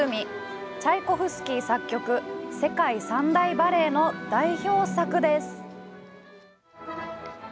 チャイコフスキー作曲世界三大バレエの代表作です。